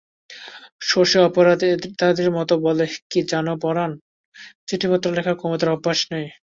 শশী অপরাধীর মতো বলে, কী জানো পরাণ, চিঠিপত্র লেখা কুমুদের অভ্যাস নেই।